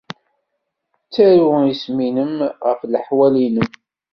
Ttaru isem-nnem ɣef leḥwal-nnem.